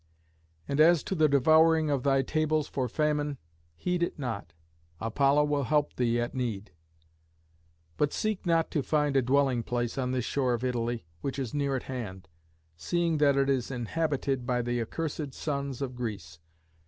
And as to the devouring of thy tables for famine, heed it not: Apollo will help thee at need. But seek not to find a dwelling place on this shore of Italy which is near at hand, seeing that it is inhabited by the accursed sons of Greece.